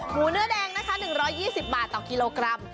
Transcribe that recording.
เนื้อแดงนะคะ๑๒๐บาทต่อกิโลกรัม